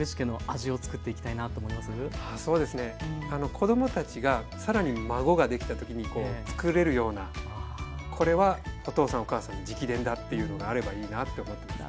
子どもたちが更に孫ができたときにつくれるようなこれはお父さんお母さん直伝だっていうのがあればいいなって思ってます。